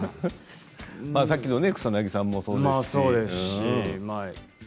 さっきの草なぎさんもそうですし。